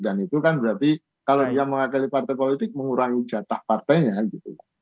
dan itu kan berarti kalau dia mewakili partai politik mengurangi jatah partainya gitu